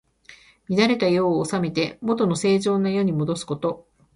乱れた世を治めて、もとの正常な世にもどすこと。